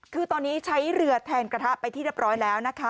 คือตอนนี้ใช้เรือแทนกระทะไปที่เรียบร้อยแล้วนะคะ